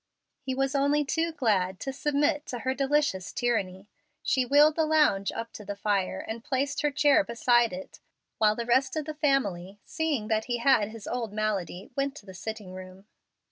He was only too glad to submit to her delicious tyranny. She wheeled the lounge up to the fire, and placed her chair beside it, while the rest of the family, seeing that he had his old malady, went to the sitting room.